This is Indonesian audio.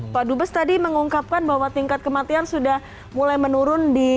pak dubes tadi mengungkapkan bahwa tingkat kematian sudah mulai menurun